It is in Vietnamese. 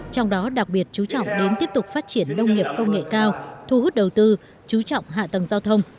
trong đó đặc biệt chú trọng đến tiếp tục phát triển nông nghiệp công nghệ cao thu hút đầu tư chú trọng hạ tầng giao thông